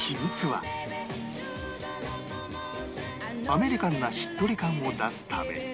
アメリカンなしっとり感を出すために